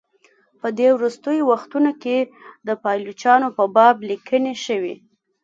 په دې وروستیو وختونو کې د پایلوچانو په باب لیکني شوي.